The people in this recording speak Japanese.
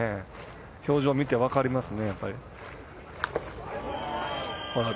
表情見て分かりますね。